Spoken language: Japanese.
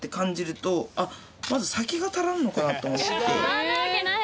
そんなわけない！